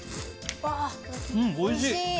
うん、おいしい！